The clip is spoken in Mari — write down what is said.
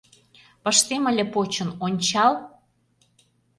Пыштем ыле почын: ончал!